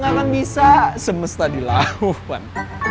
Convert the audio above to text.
gak akan bisa semesta di laupan